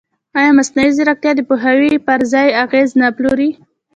ایا مصنوعي ځیرکتیا د پوهاوي پر ځای اغېز نه پلوري؟